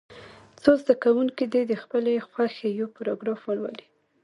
څو زده کوونکي دې د خپلې خوښې یو پاراګراف ولولي.